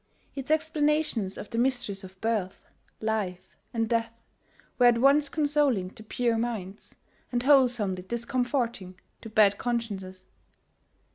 Its explanations of the mysteries of birth, life, and death were at once consoling to pure minds, and wholesomely discomforting to bad consciences.